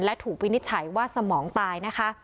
และถูกวินิจฉัยว่าสมองตายนะคะ